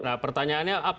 nah pertanyaannya apa